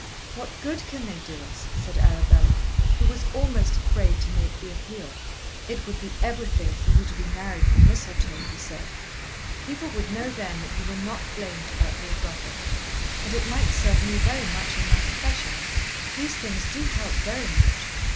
"What good can they do us?" said Arabella, who was almost afraid to make the appeal. "It would be everything for you to be married from Mistletoe," he said. "People would know then that you were not blamed about Lord Rufford. And it might serve me very much in my profession. These things do help very much.